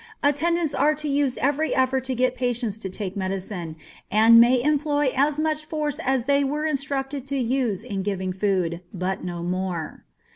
Attendants are to use every effort to get patients to take medicine, and may employ as much force as they were instructed to use in giving food, but no more.